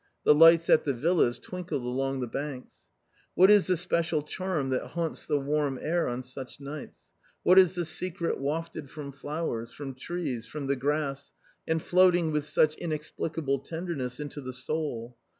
The lights at the villas twinkled along the banks. What is the special charm that haunts the warm air on such nights ? What is the secret wafted from flowers, from trees, from the grass, and floating with such inexplicable tenderness into the soul?